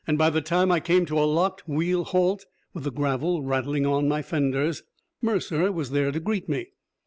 By the time I came to a locked wheel halt, with the gravel rattling on my fenders, Mercer was there to greet me.